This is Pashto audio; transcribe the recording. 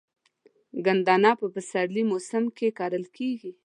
ګندنه په پسرلي موسم کې کرل کیږي.